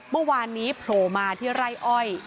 เมื่อวานนี้โผล่มาที่ไร่อ้อย